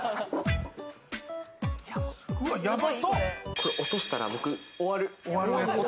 これ落としたら、僕、終わる。